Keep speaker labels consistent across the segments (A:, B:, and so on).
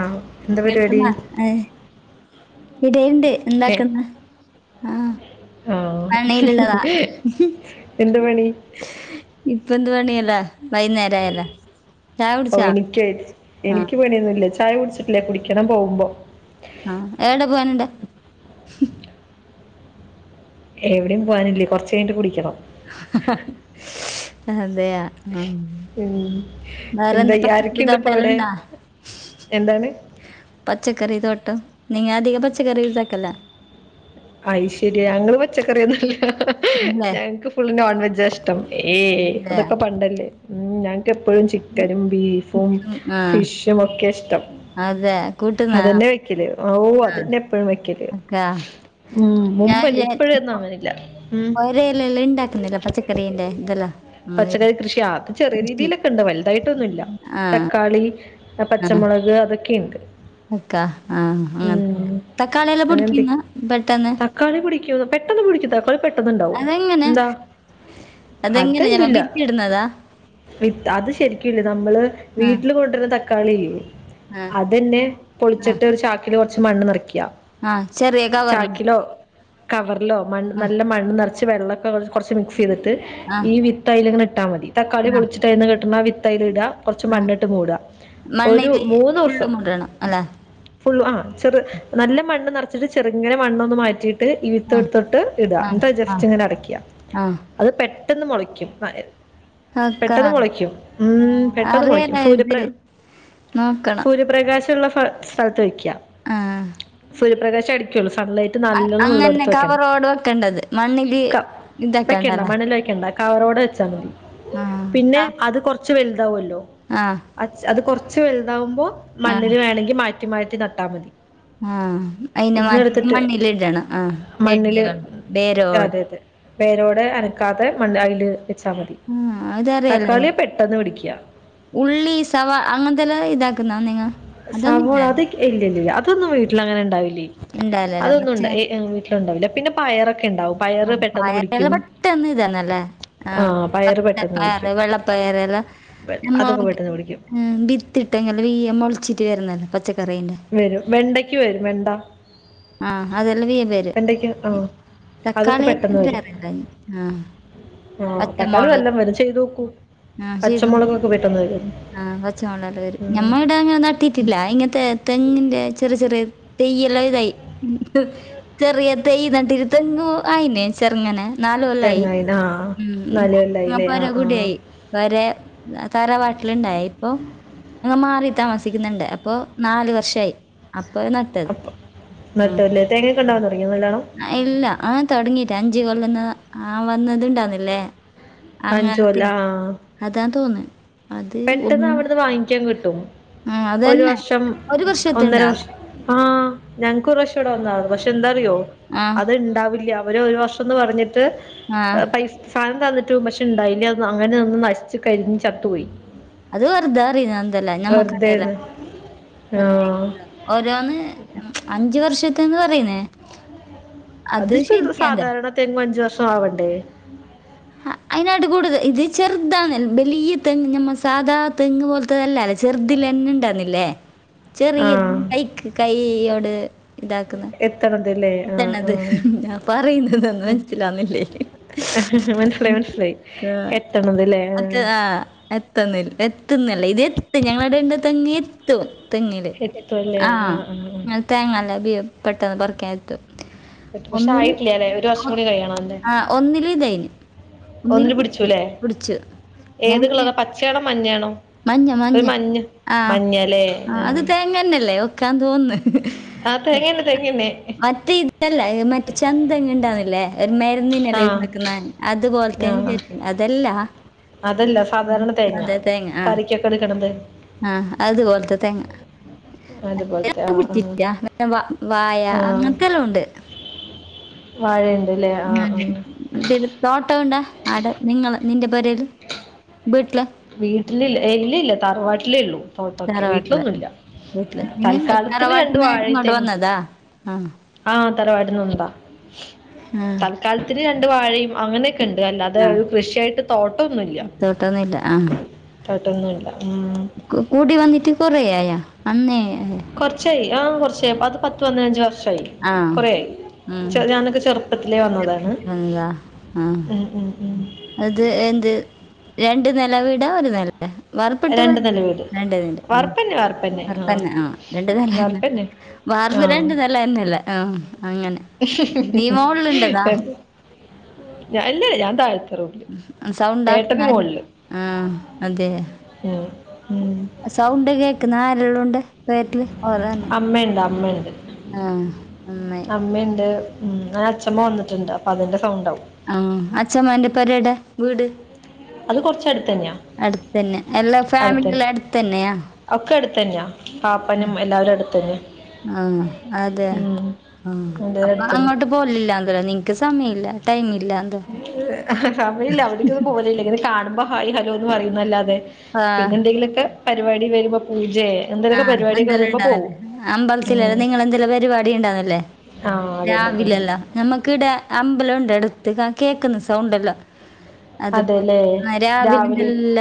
A: ആഹ്
B: കേക്കുന്ന ഏ ഇടെണ്ട്
A: ഏ,
B: എന്താക്കുന്ന ആഹ്
A: ആ
B: അണ്ണയിലുള്ളതാ
A: എന്താ പണി
B: ഇപ്പന്ത് പണിയല്ലേ
A: ഓഹ് എനിക്ക്
B: ആ
A: എനിക്ക് പണിയൊന്നുല്ല ചായ കുടിച്ചിട്ടല്ല കുടിക്കണം പോകുമ്പോ
B: ആഹ് എവിടെ പോവാണ്ടെ
A: എവിടെയും പോവാനില്ലേ കുറച്ച് കഴിഞ്ഞട്ട് കുടിക്കണം
B: അതെയ ആഹ്
A: ഉം.
B: വേറെ എന്താ പക്കക്ക
A: ആരൊക്കെയുണ്ട് ഇപ്പൊ അവിടെ
B: തോട്ടല്ലുണ്ടാ
A: എന്താണ്
B: പച്ചക്കറി തോട്ടം നിങ്ങധികം പച്ചക്കറി യൂസക്കല
A: ആയിഷരിയ ഞങ്ങള്ൾ പച്ചക്കറ ഒന്നുംല്ല
B: അല്ലേ
A: ഞങ്ങക്ക് ഫുള് നോൺ വെജാഷ് ഇഷ്ടം ഏയ്
B: അതെയാ
A: അതൊക്കെ പണ്ടല്ലേ ഉം ഞാൻ എപ്പോഴും ചിക്കനും ബീഫും
B: ഉം, ആ
A: ഫിഷും ഒക്കെ ഇഷ്ടം
B: അതെ കൂട്ടുന്നാ
A: വെക്ക ഓ അതന്നെ എപ്പോഴും വെക്കല്
B: ക്കാ
A: ഉം
B: ഞാൻ
A: മുമ്പല്ല ഇപ്പഴൊന്നും അങ്ങനില്ല ഉം
B: ഒരയല്ലല്ലാം ഉണ്ടാക്കുന്നില്ല പച്ചക്കറിന്റെ ഇതെല്ലാം അങ്ങനെ
A: പച്ചക്കറി കൃഷി അത് ചെറിയ
B: കൃഷി
A: രീതിയിലൊക്കെ ഉണ്ട് വലുതായിട്ടൊന്നുമ ഇല്ല
B: ആ
A: തക്കാളി പച്ചമുളക് അതൊക്കെയുണ്ട്.
B: അക്കാ ആഹ അങ്ങന
A: ഉം
B: തക്കാളിയെല്ലാം പുടിക്കന്ന പെട്ടെന്ന്.
A: കളി പിടിക്ക പെട്ടെന്ന് കുടിക്ക തകളി പണ്ടാവും
B: അതെങ്ങനെ
A: എന്താ
B: അതെങ്ങനെ ഞമ്മ
A: അതെന്ല്ല
B: ഭിത്തി ഇടുന്നതാ
A: വി അത് ശരിക്കുംല്ല നമ്മള്
B: ആ
A: വീട്ടില് കൊണ്ടുവരുന്ന തക്കാളില്ലേ
B: ആ
A: അതന്നെ പൊളിച്ചിട്ട് ഒരു ചാക്കില് കുറച്ച് മണ്ണ് നിറക്കിയ
B: ആഹ ചെറിയെ
A: ചാക്കിലോ കവറിലോ മണ്ണ്
B: ആ
A: നല്ല മണ്ണ് നിറച്ച് വെള്ളമൊക്കെ കുറച്ച് മിക്സ് ചെയ്തിട്ട്
B: ആ
A: ഈ വിത്തല ഇങ്ങെ ഇട്ടാൽ മതി തക്കാളി
B: ആ
A: പൊളിട്ടായിന്ന് കട്ടണ വിത്തൽ അയില് ഇടാ കെറച്ച്
B: ആ
A: മണ്ണിട്ട് മൂടാ ഒരു
B: മണ്ണില് ഫുള്ള്
A: മൂന്നുസം
B: മുടണം അല്ല
A: ഫുള്ള് ആ ചെറു നല്ല മണ്ണ് നിറച്ചിട്ട് ചെറുങ്ങനെ മണ്ണൊന്ന് മാറ്റിട്ട്
B: ആ
A: ഇത്തട്ടട്ട് ഇട
B: ആ
A: എൻ റ്റ്
B: ആ
A: ജസ്റ്റ് ഇങ്ങനെ അടക്ക
B: ആ
A: അത് പെട്ടെന്ന് മെളയ്ക്കും
B: അക്ക
A: പെട്ടെന്ന് മെളയ്ക്കും ഉം പെട്ടെന്ന് മൊളയ്ക്കും
B: അറിയാല
A: സൂര്യപ്ര
B: ഇത് നോക്കണം
A: സൂര്യ പ്രകാശുള്ള സ്ഥലത്ത് വയ്ക്ക
B: ആഹ്
A: സൂര്യപ്രകശ അടിക്കുള്ളൂ സൺലൈറ്റ് നല്ലോണം
B: അങ്ങനെ
A: ഉള്ളടുത്ത് വെക്കണം
B: കവറോട് വെക്കേണ്ടത് മണ്ണില്
A: വെക്കണ്ട
B: ഇതാക്കണ്ടല്ലേ
A: മണിൽ വെക്കണ്ട കവറോടെ വെച്ചാമതി
B: ആ
A: പിന്നെ അത് കൊറച്ച് വലുതാവല്ലോ?
B: ആഹ്
A: അത് കെറച്ച് വലുതാവുമ്പോ
B: ആ
A: മണ്ണല് വേണങ്കി മാറ്റി മാറ്റി നട്ടാമതി.
B: ആഹ അയിന്നെ മാറ്റ മണ്ണല് ഇടണ ആഹ്
A: മണ്ണിൽ
B: ചെടിയോട് ബേരോട്
A: അതെ അതെ വേരോടെ അനക്കാതെ മണ് അയ്‌ല് വെച്ചാ മതി.
B: ആ അതറിയാലോ
A: തക്കാളിയ പെട്ടെന്ന് പിടിക്ക
B: ഉള്ളി സവാ അങ്ങനത്തെല്ലാം ഇതാക്കുന്നാ നിങ്ങ അതൊന്നും ഇല്ല
A: സവോള അത ഇല്ലല്ല അതൊന്നും വീട്ടിൽ അങ്ങനെ ഇണ്ടാവില്ലേ
B: ഇണ്ടാവില്ലല്ലോ.
A: അതൊന്നും
B: പച്ച
A: ഇണ്ട ണ്ടാവില്ല പിന്നെ പയറൊക്കെ ഇണ്ടാവും പയറ് പെട്ടെന്ന് പിടിക്കും.
B: [unintelligible]
A: ആ പയറ് പെട്ടെന്ന്
B: ആ
A: പിടിക്കും
B: വെള്ളപ്പയറെല്ലാം നമ്മ
A: അതൊക്കെ പെട്ടെന്ന് പിടിക്കും
B: ഉം ബിത്തിട്ടയ്ഞ്ഞ വെയ്യ മൊളിച്ചിട്ട് വരുന്നല പച്ചക്കറിന്റെ
A: വരും വെണ്ടയ്ക്ക് വരും. വെണ്ട
B: ആഹ് അതെല്ലാം വീയെ വരും.
A: വെണ്ടയ്ക്ക് ആഹ
B: തക്കാളി [unintelligible] ആ
A: ആഹ് തക്കാളി നല്ലോവരും ചെയ്തോക്കൂ പച്ചമുളകക്കെ പെട്ടന്നവരു
B: ആ പച്ചമുള്ളല്ല വരും ഞമ്മഇട അങ്ങനെ നട്ടിട്ടില്ല ഇങ്ങനത്തെ തെങ്ങിൻറെ ചെറിയ ചെറിയ തെയ്യല്ലാ ഇതായി ചെറിയ തൈ നട്ടട്ട് തെങ്ങ് ആയിന് ചെറുങ്ങനെ നാലൊല്ലായി
A: തേങ്ങായിന ആ നാല് കൊല്ലായില്ലേ ആ ആ
B: പൊരകൂടിയായി. വരെ തറവാട്ടിലുണ്ടായ ഇപ്പൊ ഞങ്ങ മാറി താമസിക്കുന്നണ്ട്. അപ്പൊ നാലു വർഷായി അപ്പൊ നട്ടത്.
A: അപ്പ
B: ആഹ്.
A: നട്ടുലേ തേങ്ങയൊക്ക ഇണ്ടാവാതുടങ്ങിയ നല്ലാണോ?
B: ഇല്ല ആഹ തുടങ്ങീറ്റ അഞ്ചകൊല്ലന്ന് ആഹ വന്നത് ണ്ടന്നില്ലേ?
A: അഞ്ച്
B: അങ്ങൻത്തെ
A: കൊല്ലം ആ
B: അതാ തോന്ന.
A: പെട്ടെന്ന് അവിടുന്ന് വാങ്ങിക്കാകിട്ടും
B: ആഹ്
A: ഒരു
B: അതന്നെ.
A: വർഷം
B: ഒരു വർഷത്തെ
A: ഒന്നര
B: ഉണ്ടാന്ന്.
A: വർഷം ആഹ് ഞങ്ങക്കൊറവിശ്യ ഇവിടെ വന്നാണ് പക്ഷെ എന്താറിയോ
B: ആഹ്
A: അത് ഇണ്ടാവില്ല അവര് ഒരു വർഷം വർഷന്ന് പറഞ്ഞിട്ട്
B: ആഹ്.
A: പൈസ സാനം തന്നിട്ടും പശെ ഇണ്ടായില്ല അങ്ങനെ ഒന്ന് നശിച്ചു കരിഞ്ഞ ചത്തുപോയി.
B: അത് വെർതേറിയന്നത് എന്തല്ല നമ്മക്ക
A: വെറുതെന്ന് ആ
B: ഓരോന്ന് അഞ്ചവർഷത്തന്ന് പറയുന്നേ അത്
A: അത്പ്പോ
B: ശരിക്കാന്താ?
A: സാധാരണ തെങ്ങ് അഞ്ചവർഷവണ്ടേ?
B: ആ അയ്നടി കൂടുതൽ ഇത് ചെറുതാന്ന് ബലിയ തെങ്ങ് നമ്മസാദാ തെങ്ങ് പോലത്തെതല്ലല്ല ചെർതിലന്നെ ഇണ്ടാന്നില്ലേ?
A: ആ
B: ചെറിയ കൈക്ക് കൈയ്യോട് ഇതാക്കുന്നെ
A: ചെർതല്ലേ ആഹ്
B: പറയുന്നതൊന്നും മനസ്സിലാവുന്നില്ലേ
A: ആഹ് മനസ്സിലായി മനസ്സിലായി
B: ആ,
A: എത്തണതല്ലേ ആഹ് ആഹ്
B: എത്തുന്നല്ല എത്തുന്നല്ലേ ഇത് എത്തു ഞങ്ങള അട ഇണ്ട തെങ്ങ എത്തു തെങ്ങില്
A: എത്തുവല്ലേ ആ ആ
B: ആഹ് തേങ്ങല്ല ബേം പെട്ടെന്ന് പറിക്കാൻ എത്തും
A: പക്ഷേ ആയിട്ടില്ലല്ലെ ഒരു വർഷം കൂടി കഴിയണം എല്ലേ
B: ഒന്നില്തേനു ഒന്നില്
A: പിടിച്ചുല്ലേ
B: പുടിച്ചു
A: ഏത്
B: ഞങ്ങക്ക്
A: കളറാ പച്ചയാണോ മഞ്ഞയാണോ
B: മഞ്ഞ മഞ്ഞ ആഹ്
A: മഞ്ഞല്ലേ
B: ആഹ്
A: ആ
B: അത് തേങ്ങന്നല്ലേ വക്കാൻ തോന്നുന്നു
A: ആ തേങ്ങന്നെ തേങ്ങന്നെ
B: മറ്റേ ഇതല്ല മറ്റേ ചന്തങ്ങെ ഉണ്ടന്നില്ലേ
A: ആ
B: മരുന്നനില്ലു ഉണ്ടക്കുന്നെ അതുപോലത്തേ
A: ആ
B: അതല്ലാ
A: അതല്ല സാധാരണ തേങ്ങ കറിക്കൊക്കെ എടുക്കണത്
B: ആഹ് അത് പോൽത്ത തേങ്ങ
A: അതുപോലത്തെ ആ ആ
B: [unintelligible] വായ
A: ആ
B: അങ്ങനത്തെല്ലുണ്ട്
A: വാഴയുണ്ട് അല്ലേ ആ ആ
B: അതെ ഇ തോട്ടോ ഇണ്ട അവിടെ നിങ്ങള് നിന്റെ പേരിൽ വീട്ടില്
A: വീട്ടിലില്ല ഇല്ലില്ല തറുവാട്ടിലേ ഉള്ളൂ തോട്ടൊക്കെ
B: തറവാട്ടില്.
A: വീട്ടിലൊന്നുംല്ല
B: വീട്ടില്. നിങ്ങൾ
A: തൽക്കാലത്തിന് കണ്ടു
B: തറവാട്ടിന്ന്
A: വാഴേ
B: ഇങ്ങോട്ട്
A: തെങ്ങും
B: വന്നതാ? ആ
A: ആഹ് തലവാട്ന്ന് കൊട്ന്നാ
B: ആ
A: തൽക്കാലത്തില് രണ്ട് വാഴയും അങ്ങനെയൊ ക്കെണ്ട് അല്ലാതെ
B: ആ
A: ഒരു കൃഷിയായിട്ട് തോട്ടം ഒന്നുല്ല
B: [unintelligible]
A: തോട്ടൊന്നുമല്ല ഉം
B: കൂടി വന്നിട്ട് കുറേയായാ അന്നേ
A: കുറച്ചായി ആ കുറച്ചായി അ അത് പത്ത് പന്നഞ്ച് വർഷമായി
B: ആഹ്
A: കൊറയായി
B: ഉം
A: ഞാനൊക്കെ ചെറു പ്പത്തിലെ വന്നതാണ്
B: വന്നതാ ആഹ്
A: ഉം ഉം
B: അത് എന്ത് രണ്ട് നില വീടാ ഒരു നില വാർപ്പിട്ട
A: രണ്ട്
B: പോരായാ
A: നില വീട്
B: രണ്ട് നില
A: വാർപ്പന്നെ ആ
B: വാർപ്പന്നെ ആഹ് രണ്ട് നില എന്നെ
A: വാർപ്പന്നെ ആ
B: വാർപ് രണ്ട് നിലയന്നല്ലേ ആ അങ്ങനെ നീ മോളിലുണ്ടതാ
A: ഇല്ല ഞാൻ താഴത്
B: സൗണ്ട് ആക്കുന്നെ ആര് ആഹ് അതെ
A: ഉം
B: സൗണ്ട് കേക്കുന്ന ആരെ ഉള്ളോണ്ട് ബാക്കിൽ ഓറന്നെ
A: അമ്മയുണ്ട്
B: ആഹ് നന്നായി
A: അമ്മണ്ട് ഇന്നലെ അഛമ്മ വന്നിട്ടണ്ട് അപ്പൊ അതിന്റെ സൗണ്ടവും
B: ആ അച്ഛമാന്റെ പൊരെടെ വീട്
A: അത് കൊറച്ചടുത്ത് തന്നെയാ
B: അടുത്തന്നെ എല്ലാ ഫാമിലിയും
A: അടുത്തന്നെ
B: അടുത്തന്നെയാ
A: ഒക്കെ അടുത്ത തന്നെയാ പാപ്പനും എല്ലാവരു അടുത്തന്നെയാ
B: ആഹ് അതെ ആഹ്
A: എല്ലാരും
B: അപ്പൊ
A: അടുത്ത് തന്നെ
B: അങ്ങോട്ട് പോലില്ലന്തരാ നിനക്ക് സമയം ഇല്ല ടൈം ഇല്ല
A: സമയമില്ല അവിടേക്കൊന്നും പോലില്ലങ്ങനെ കാണുമ്പോ ഹായ് ഹലോ എന്ന് പറയുന്നല്ലാതെ
B: ആഹ്
A: പിന്നെ എന്തെങ്കിലുമൊക്കെ പരിപാടി വരുമ്പോ പൂജയ
B: ആഹ് എന്തെല്ലാം ഉണ്ടാവല്ലേ അമ്പലത്തിലല്ലേ
A: ഉം
B: നിങ്ങളെന്തെല്ലോ പരിപാടി ഉണ്ടാവിന്നല്ലേ
A: ആഹ് അതെന്നെ
B: ല്ലല്ല നമ്മക്ക് ഇടെ അമ്പലം ഇണ്ട് അടുത്ത് കേക്കുന്നു സൗണ്ടെല്ലും അത്പോലെ
A: അതെല്ലേ
B: ആ രാവിലെ എന്തല്ല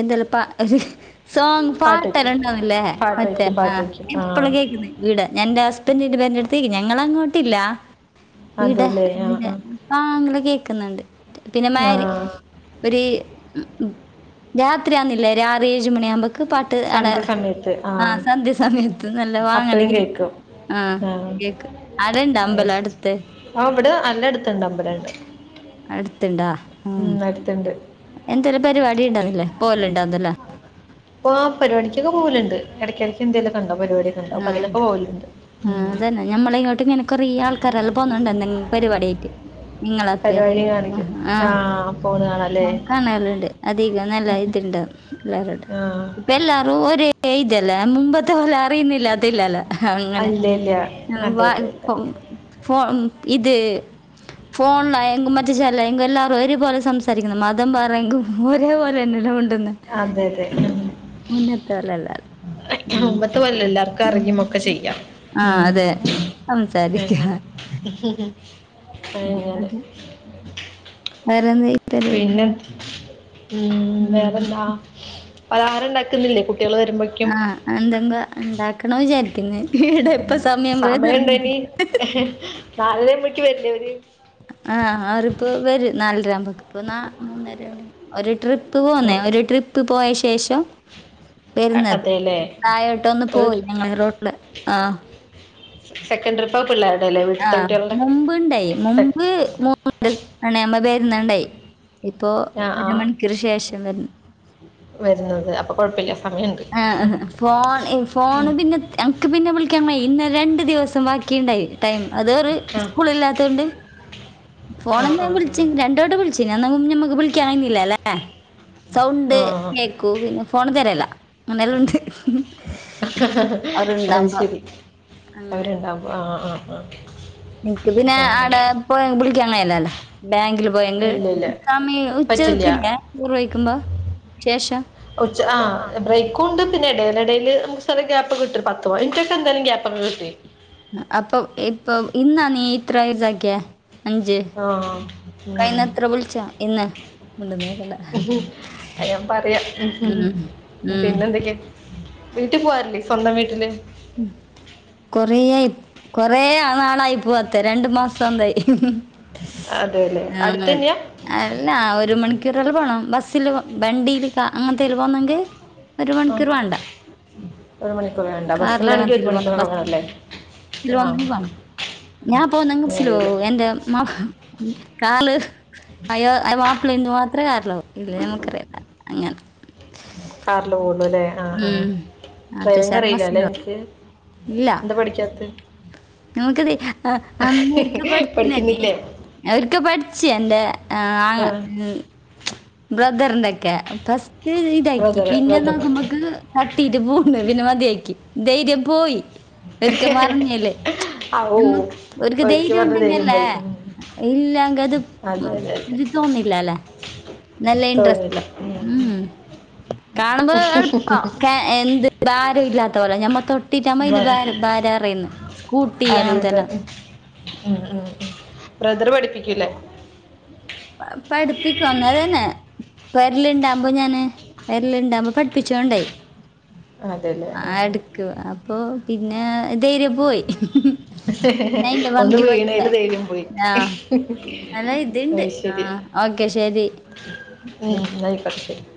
B: എന്തല്ല ഒരു സോങ്
A: പാട്ട്
B: പാട്ടല്ലോ
A: വെക്കും
B: ഉണ്ടാവല്ലേ
A: പാട്ട്
B: മറ്റേ
A: വെക്കും പാട്ട്
B: ആഹ്
A: വെക്കും
B: എപ്പളും
A: ആഹ്
B: കേക്കുന്ന ഈടെ ഞാൻ ന്റെ ഹസ്ബൻഡന്റെ പെരന്റട്ത് ഞങ്ങള അങ്ങോട്ടില്ല ഈടെ
A: അതെല്ലേ ആഹ് ആഹ്
B: ആാ ങ്ങെ കേക്കുന്നുണ്ട്, പിന്നെ മാരി
A: ആഹ്
B: ഒരു രാത്രിയാന്നില്ല ആറ് ഏഴ് മണിയാവു മ്പോക്ക് പ ഇട്ട് അട
A: സന്ധ്യ സമയത്ത്
B: ആഹ
A: ആഹ്
B: സന്ധ്യ സമയത്ത് നല്ല വാങ്ങല്
A: അപ്പഴും
B: കേ
A: കേക്കും
B: ആഹ
A: ആഹ്
B: കേക്ക് അവിടെ ഇണ്ടോ അമ്പലം അടുത്ത്?
A: ആ അവിടെ നല്ലടുത്തണ്ട്, അമ്പലണ്ട്.
B: അടുത്തണ്ടാ ഉ
A: പരുത്തണ്ട്
B: എന്തോലും പരിപാടി ഉണ്ടന്നുന്നില്ലേ, പോല ഉണ്ടാവന്നല്ലേ?
A: അപ്പ ആ പരിപാടിക്കൊക്കെ പോകൽ ഉണ്ട്, ഇടക്ക ഇടക്ക് എന്തെലും ഉണ്ട പരിപാടി? അപ്പൊ അതിലൊക്കെ പോലുണ്ട് ഉ
B: ഞമ്മള ഇങ്ങോട്ട് ഇങ്ങനെ കുറ ആൾക്കാരെല്ലാം പോന്നുന്നുണ്ട എന്തെങ്കിലും പരിപാടിയായിട്ട്. നിങ്ങളപ്പ
A: പരിപാടി കാണിക്കും
B: ആഹ്
A: ആ
B: ആഹ്
A: പോണ കാണാല്ലേ
B: ആ കാണല്ലണ്ട് അധികം നല്ല ഇത്ണ്ട എല്ലരടെ
A: ആ
B: ഇപ്പ എല്ലാരും ഒരെ ഇതല്ല മുമ്പത്തവല ഇല്ലില്ല അതിലല്ല അങ്ങനെ
A: അല്ല ഇല്ല
B: മം വ
A: അതെ അതെ അതെ
B: ഫഹ മം, ഇത് ഫോൺലാ യേങ്കും മറ്റേ ശാലായെങ്കും എല്ലാവരും ഒരുപോലെ സംസാരിക്കുണ് മതം പറങ്കും ഒരേപോലെന്നല്ലേ മിണ്ടുന്നെ.
A: അതെ അതെ
B: പോലെ അല്ല ഉം.
A: മുമ്പത്തെ ല്ല എല്ലാർക്കും
B: ഉം.
A: അറിയുമ ഒക്കെ ചെയ്യാം
B: ആ
A: ഉം
B: അതെ സംസാരിക്കുക
A: അങ്ങെനെ അങ്ങെനെ
B: അതെ. [unintelligible]
A: പിന്നെ ഉം വേറെന്താ? പലഹാരം ഇണ്ടാക്കുന്നില്ലേ കുട്ടികൾ വരുമ്പോ?
B: ആഹ എന്തെങ്കോ ഉണ്ടാക്കണ വിചാരിച്ചു, ഇടെ ഇപ്പ സമയം പോയതറിഞ്ഞില്ല.
A: ഹേ ഹ്.. നാല് മണി ആകുമ്പളെക്കും വരില്ലേ അവര്?
B: ആഹ അവരിപ്പോ വരും നാലര ആവുമ്പോ, ഇപ്പ മൂന്നര ആയെന്. ഒരു ട്രിപ്പ് പോന്നേ,
A: അവര്
B: ഒരു ട്രിപ്പ് പോയ ശേഷം വരുന്നത്
A: അതെല്ലേ
B: തായോട്ടോന്ന് പോയി ഞങ്ങളെ റോട്ടില് ആഹ്.
A: സെക്കന്റ്‌ ട്രിപ്പ പിള്ളേരുടെ അല്ലേ? ഇവിടുത്തെ
B: ആഹ്.
A: കുട്ടികൾടെ
B: മുമ്പ്ണ്ടായി മും [unintelligible] വരുന്നുണ്ടായി. ഇപ്പൊ
A: ആ ആ
B: ഒരു മണിക്കൂർ ശേഷം വര്
A: വരുന്നത് അപ്പൊ കുഴപ്പമില്ല സമയമുണ്ട്
B: ആഹ ഫോൺ ഫോൺ പിന്നെ ത് ഞങ്ങക്ക് പിന്നെ വിളിക്കാംൻ വൈ ഇന്ന് രണ്ട് ദിവസം ബാക്കി ഉണ്ടായി. ടൈം അതറെ
A: ആ
B: സ്കൂളില്ലാത്തണ്ട് ഫോണ
A: ആ
B: എന്ത
A: ആ
B: വിളിച്ചി
A: ആ
B: രണ്ട് വട്ടം വിളിച്ചു, നമ്മക്ക് വിളിക്കാൻുന്നില്ല അല്ലേ? സൗണ്ട്
A: ആ
B: കേക്കൂ പിന്നെ ഫോൺ തരല്ല അങ്ങനെല്ലാം ഉണ്ട്
A: അത്
B: അവരുണ്ടാകുമ്പോ
A: ശരി
B: അങ്ങനെ
A: അവരുണ്ടാവകുമോ ആഹ് ആഹ് ആഹ്
B: നിനക്ക് പിന്നെ ആടെ പോ വിളിക്കാ അങ്ങനെയല്ലല്ലേ ബാങ്കിലും പോയാങ്ക്
A: ഇല്ല ഇല്ല
B: [unintelligible]
A: പറ്റില്ല
B: ഉച്ചക്കില്ല ചോറ് കഴിക്കുമ്പോ ശേഷം
A: ഉചാ ആ ബ്രേക്കുണ്ട് പിന്നെ ഇടയിലെ ഇടയിൽ നമുക്ക് ശകലം ഗ്യാപ്പ് കിട്ടും. പത്ത് മിനിറ്റൊക്കെ ന്തായാലും ഗ്യാപ്പോക്കെ കിട്ടെ
B: അപ്പൊ ഇപ്പൊ ഇന്നാ നീ ഇത്ര ഇതാക്കിയെ? അഞ്ച്
A: ആ ഉം.
B: കഴിന്നത്ര വിളിച്ചാ ഇന്ന് ഉണ്ട് നേരല്ല
A: അ ഞാൻ പറയാ ഹം ഹം ഹം
B: ഉം
A: പിന്നെന്തെക്കെയാ, വീട്ടിൽ പോവാറില്ലേ സ്വന്തം വീട്ടില്?
B: കൊറ കൊറേ ആ നാളായി പോവാ തര രണ്ട് മാസംന്തായി
A: അതെ അല്ലേ അടുത്ത്
B: ആഹ്
A: തന്നെയാ
B: അല്ല ഒരു മണിക്കൂർല്ലാം പോണം ബസ്സില് വെണ്ടിൽ കാ അങ്ങനത്തേൽ പോന്നങ്ങി. ഒരു
A: ആ
B: മണിക്കൂർ വേണ്ട.
A: ഒരു മണിക്കൂർ വേണ്ട,
B: കാറില്
A: ബസ്സിനാണെങ്കിൽ ഒരു
B: അങ്ങനത്തേല് പോന്ന
A: മണിക്കൂറേണല്ലേ?
B: [unintelligible] ഞാൻ ഇപ്പൊ ഒന്നെങ്കില് സ്ലോ
A: ഏഴില്
B: എന്റെ മ കാല് അയ്യോ മാപ്പിള ഇതു മാത്രമേ കേറുള്ളൂ, ഇല്ല നമുക്കറിയില്ല അങ്ങനെ.
A: കാറില് പോവള്ളുല്ലെ ആഹ് ആഹ്,
B: ഉം.
A: ഡ്രൈവിംഗ്
B: നാട്ടുശാര്
A: അറിയില്ല അല്ലെ
B: ബസ്സില് പോവും.
A: ഇങ്ങൾക്ക്?
B: ഇല്ല.
A: എന്താ പഠിക്കാത്തെ
B: നമുക്കത് അന്നൊരിക്കൽ പഠിച്ചില്ലേ നീ
A: പഠിക്കുന്നില്ലേ
B: അവർക്കെ പഠിച്ച എന്റെറെ
A: ആ
B: ആഹ് ബ്രദറിന്റെക്കെ പസ്റ്റ് ഇതാക്കി
A: ബ്രദർ
B: പിന്നെ
A: ബ്രദർ
B: നോക്കുമ്പക്ക് കത്തിട്ട് പൂണ് പിന്നെ മതിയാക്കി ധൈര്യം പോയി ഒരിക്ക മറഞ്ഞല്
A: ആ ഓ
B: നമ്മക് ഒരിക്ക്
A: ഒരിക്കൽ
B: ധൈര്യം
A: പറഞ്ഞ ധൈര്യം
B: ഉണ്ടെങ്കല്ലേ
A: പോയി ഉം.
B: ഇല്ലങ്ക അത്
A: അതെ അതെ
B: ഇത് തോന്നില്ലല്ലെ നല്ല ഇൻട്രസ് ഉം കാണുമ്പ എളുപ്പ എന്ത് ഭാരല്ലാത്ത പോലെ ഞമ്മ തൊട്ട്
A: വ-
B: [unintelligible] ഭാര അറിയന്ന് സ്കൂട്ടി അങ്ങനത്തെല്ലാം
A: ഉം ഉം ബ്രദറ് പഠിപ്പിക്കൂല്ലേ
B: പഠിപ്പിക്കും അന്നേരന്നേ പെരലിണ്ടാകുമ്പോ ഞാന് പെരലുണ്ടാമ്പോ പഠിപ്പിച്ചൊണ്ടയി
A: അതെ അല്ലേ
B: ആ എടുക്കും അപ്പൊ പിന്നെ ദൈര്യ പോയി ഞാൻ അതിന്റെ
A: ഒന്ന്
B: വങ്കി പോയിട്ട്
A: വീണേല് ധൈര്യം പോയി
B: ആ നല്ല ഇതുണ്ട് ആ
A: ശരി
B: ഓക്കെ ശെരി
A: ഉം ന്നാ ആയിക്കോട്ടെ ശെരി